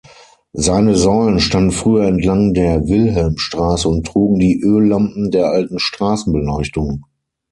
Seine Säulen standen früher entlang der Wilhelmstraße und trugen die Öllampen der alten Straßenbeleuchtung.